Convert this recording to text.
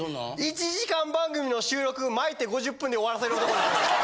１時間番組の収録巻いて５０分で終わらせる男です。